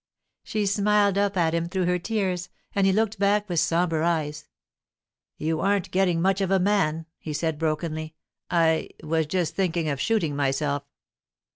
She smiled up at him through her tears, and he looked back with sombre eyes. 'You aren't getting much of a man,' he said brokenly. 'I—was just thinking of shooting myself.